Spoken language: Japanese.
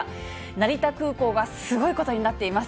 成田空港はすごいことになっています。